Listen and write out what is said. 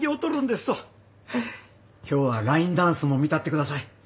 今日はラインダンスも見たってください。